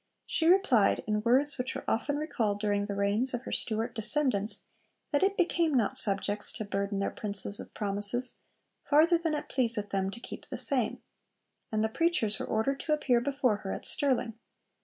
She replied, in words which were often recalled during the reigns of her Stewart descendants, that 'it became not subjects to burden their Princes with promises, farther than it pleaseth them to keep the same,' and the preachers were ordered to appear before her at Stirling.